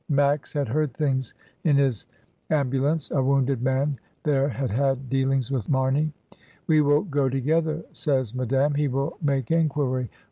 Max had heard things in his ambulance. A wounded man there had had dealings with Marney. "We will go together," says Madame, "he will make inquiry.